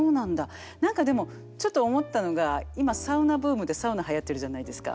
何かでもちょっと思ったのが今サウナブームでサウナはやってるじゃないですか。